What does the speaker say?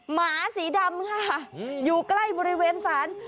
หมาสีดำค่ะอยู่ใกล้บริเวณศาล